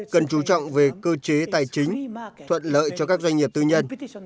cần chú trọng về cơ chế tài chính thuận lợi cho các doanh nghiệp tư nhân